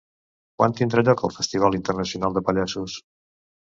Quan tindrà lloc el Festival Internacional de Pallassos?